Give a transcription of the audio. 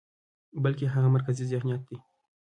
بلکې هغه مرکزي ذهنيت دى،